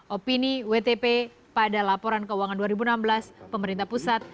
opini wtp pada laporan keuangan dua ribu enam belas pemerintah pusat